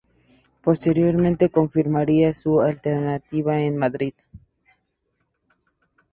Posteriormente, confirmaría su alternativa en Madrid.